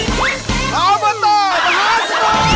โอเบอร์ตอร์มหาสนุก